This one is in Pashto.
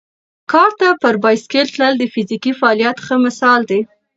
کارته پر بایسکل تلل د فزیکي فعالیت ښه مثال دی.